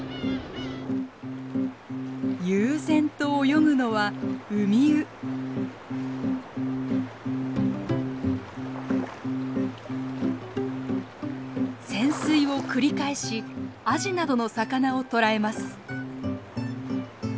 悠然と泳ぐのは潜水を繰り返しアジなどの魚を捕らえます。